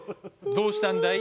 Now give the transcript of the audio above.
どうしたんだい？